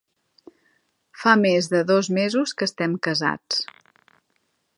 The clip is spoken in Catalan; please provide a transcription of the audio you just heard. Fa més de dos mesos que estem casats.